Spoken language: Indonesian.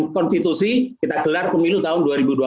konstitusi kita gelar pemilu tahun